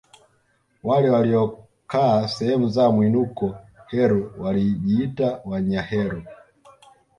Wale waliokaa sehemu za mwinuko Heru walijiita Wanyaheru